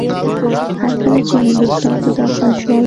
هر کله چې هندوستان ته داخل شول.